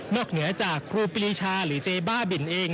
นอกเหนือจากครูปิริชาหรือเจบ่าบิลเอง